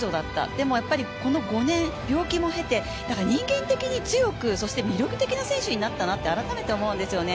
でもやっぱりこの５年、病気も経て、人間的にも強く、そして魅力的な選手になったなって改めて思うんですよね。